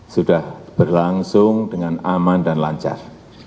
sudah berlangsung dengan aman dan lancar